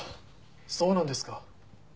そうなんですか。